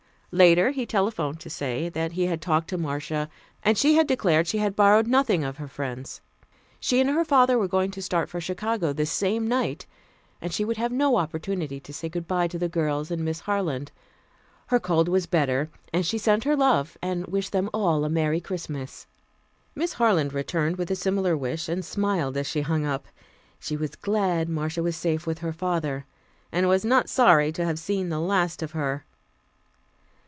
Later, he telephoned to say that he had talked to Marcia, and she had declared she had borrowed nothing of her friends. She and her father were going to start for Chicago the same night, and she would have no opportunity to say goodbye to the girls and Miss Harland. Her cold was better, and she sent her love, and wished them all a merry Christmas. Miss Harland returned a similar wish, and smiled as she hung up. She was glad Marcia was safe with her father, and was not sorry to have seen the last of her.